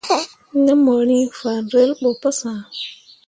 Ŋmorŋ fan relbo pu sãã.